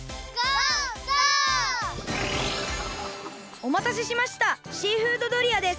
おまたせしましたシーフードドリアです！